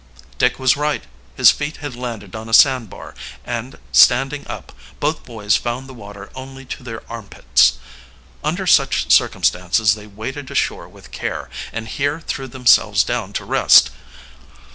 Dick was right: his feet had landed on a sandbar; and, standing up, both boys found the water only to their armpits. Under such circumstances they waded ashore with care, and here threw themselves down to rest.